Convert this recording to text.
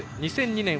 ２００２年